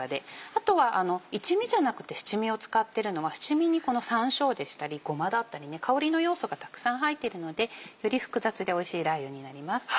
あとは一味じゃなくて七味を使ってるのは七味にこのさんしょうでしたりごまだったり香りの要素がたくさん入ってるのでより複雑でおいしいラー油になります。